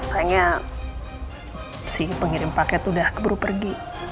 sayangnya si pengirim paket udah beru pergi